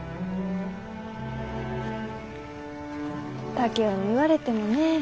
竹雄に言われてもね。